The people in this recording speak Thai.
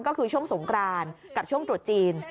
ก็คือช่วงสงกรานกับช่วงตรุษจีน